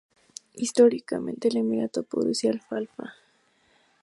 Históricamente, el emirato producía alfalfa.